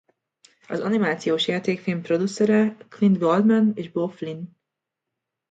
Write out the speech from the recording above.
Az animációs játékfilm producere Clint Goldman és Beau Flynn.